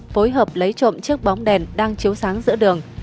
phối hợp lấy trộm chiếc bóng đèn đang chiếu sáng giữa đường